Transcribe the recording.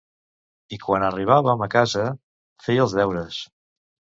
I quan arribàvem a casa, feia els deures.